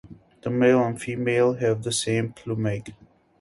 The male and female have the same plumage.